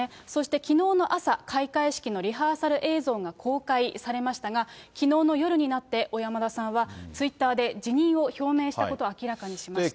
きのうの朝、開会式のリハーサル映像が公開されましたが、きのうの夜になって、小山田さんはツイッターで辞任を表明したことを明らかにしました。